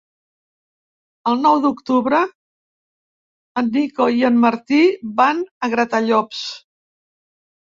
El nou d'octubre en Nico i en Martí van a Gratallops.